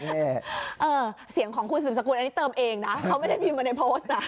เสียงของคุณสืบสกุลอันนี้เติมเองนะเขาไม่ได้พิมพ์มาในโพสต์นะ